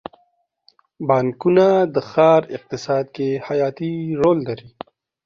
بانکونه د ښار اقتصاد کې حیاتي رول لري.